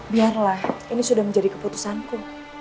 biarlah ini sudah menjadi keputusanku